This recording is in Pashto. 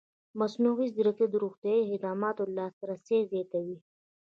مصنوعي ځیرکتیا د روغتیايي خدماتو لاسرسی زیاتوي.